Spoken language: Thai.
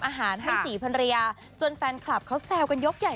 อาหารให้ศรีพันรยาจนแฟนคลับเขาแซวกันยกใหญ่